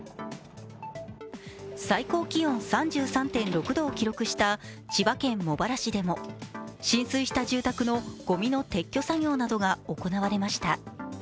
最高気温３３．６度を記録した千葉県茂原市などでも浸水した住宅のごみの撤去作業などが行われました。